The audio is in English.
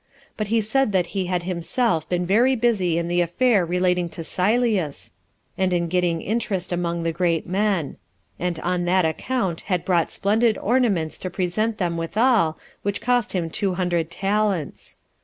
But he said that he had himself been very busy in the affair relating to Sylleus, and in getting interest among the great men; and on that account had bought splendid ornaments to present them withal, which cost him two hundred talents.